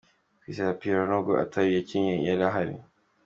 Kwizera Pierrot nubwo atari yakinnye yari ahari.